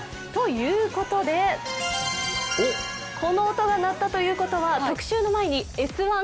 ということでこの音が鳴ったということは、特集の前に「Ｓ☆１」